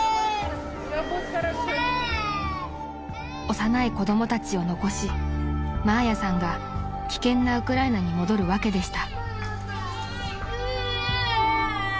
［幼い子供たちを残しマーヤさんが危険なウクライナに戻る訳でした］